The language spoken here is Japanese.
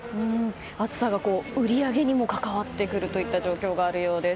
暑さが売り上げにも関わってくるという状況があるようです。